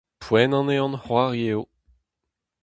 Poent an ehan-c'hoari eo !